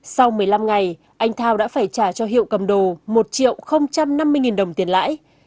sau một mươi năm ngày anh thao đã phải trả cho hiệu cầm đồ một triệu năm mươi nghìn đồng tiền lãi